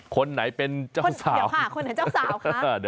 คนไหนเป็นเจ้าสาวเดี๋ยวค่ะคนไหนเป็นเจ้าสาวครับ